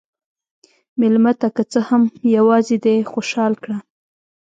مېلمه ته که څه هم یواځې دی، خوشحال کړه.